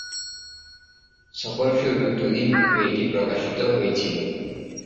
সফর শুরুর দুইদিন পূর্বে এটি প্রকাশিত হয়েছিল।